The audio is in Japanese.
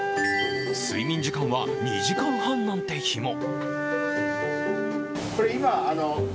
睡眠時間は２時間半なんて日も。